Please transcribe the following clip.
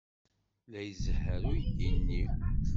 La izehher uydi-nni.